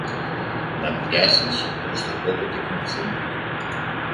να δειλιάσεις μπρος στον κόπο και στην ευθύνη